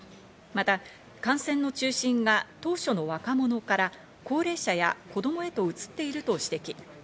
また感染の中心が当初の若者から高齢者や子供へと移っていると指摘。